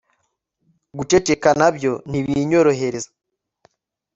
guceceka na byo, ntibinyorohereza